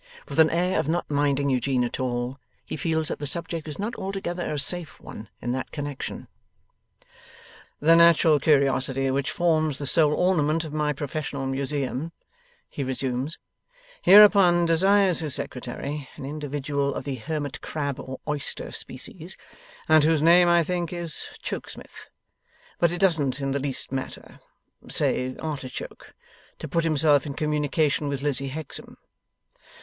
With an air of not minding Eugene at all, he feels that the subject is not altogether a safe one in that connexion. 'The natural curiosity which forms the sole ornament of my professional museum,' he resumes, 'hereupon desires his Secretary an individual of the hermit crab or oyster species, and whose name, I think, is Chokesmith but it doesn't in the least matter say Artichoke to put himself in communication with Lizzie Hexam.